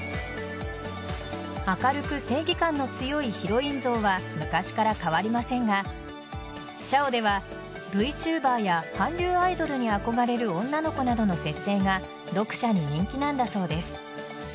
明るく正義感の強いヒロイン像は昔から変わりませんが「ちゃお」ではＶＴｕｂｅｒや韓流アイドルに憧れる女の子などの設定が読者に人気なんだそうです。